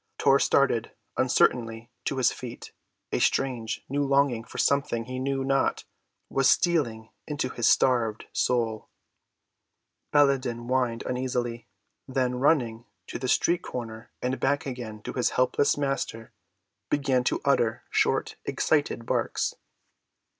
Tor started uncertainly to his feet, a strange, new longing for something he knew not what stealing into his starved soul. Baladan whined uneasily, then, running to the street‐corner and back again to his helpless master, began to utter short excited barks.